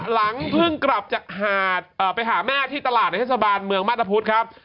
หลังเพิ่งกลับจากหาดไปหาแม่ที่ตลาดในเทศบาลเมืองมาตรพุทธครับ